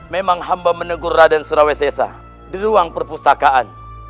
memang hamba menegur raden surawi sesa di ruang perpustakaan